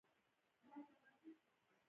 الکترون منفي بار لري.